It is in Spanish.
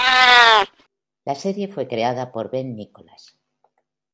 La serie fue creada por Ben Nicholas.